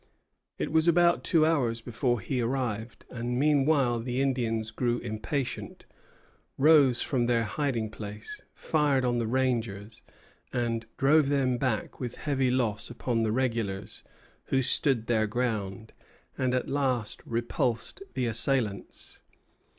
It was about two hours before he arrived; and meanwhile the Indians grew impatient, rose from their hiding place, fired on the rangers, and drove them back with heavy loss upon the regulars, who stood their ground, and at last repulsed the assailants.